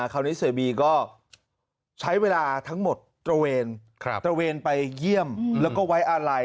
คราวนี้เสบีก็ใช้เวลาทั้งหมดตระเวนตระเวนไปเยี่ยมแล้วก็ไว้อาลัย